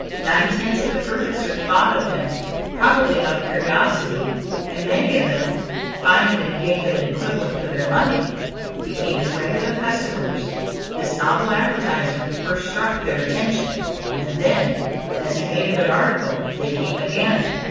Nine tenths of the purchasers bought of him, probably, out of curiosity, and many of them, finding that he gave them an equivalent for their money, became his regular customers. This novel advertisement first struck their attention, and then, as he made a good article, they came again.